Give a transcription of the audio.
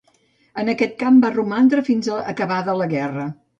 En aquest camp va romandre fins a acabada la guerra.